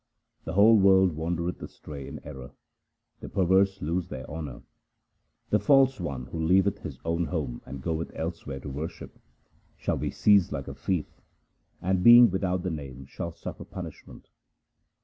The whole world wandereth astray in error ; the perverse lose their honour. The false one who leaveth his own home and goeth elsewhere to worship, Shall be seized like a thief, and being without the Name shall suffer punishment.